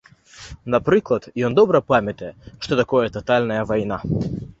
Напрыклад, ён добра памятае, што такое татальная вайна.